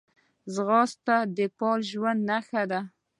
ځغاسته د فعاله ژوند نښه ده